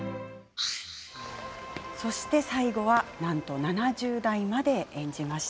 そして最後は、なんと７０代まで演じました。